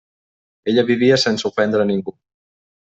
Ella vivia sense ofendre a ningú.